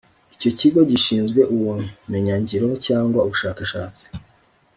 Icyo kigo gishinzwe ubumenyingiro cyangwa ubushakashatsi .